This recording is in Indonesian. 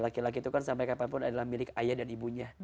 laki laki itu kan sampai kapanpun adalah milik ayah dan ibunya